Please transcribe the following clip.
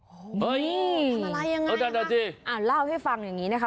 โอ้ยทำอะไรยังไงครับอ่าเล่าให้ฟังอย่างงี้นะคะ